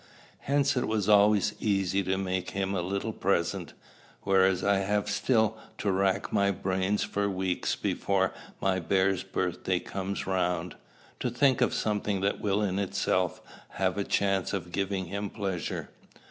Hence it was always easy to make him a little present; whereas I have still to rack my brains for weeks before my bear's birthday comes round, to think of something that will in itself have a chance of giving him pleasure.